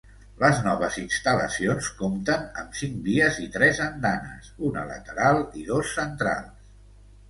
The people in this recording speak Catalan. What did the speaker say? Les noves instal·lacions compten amb cinc vies i tres andanes, una lateral i dos centrals.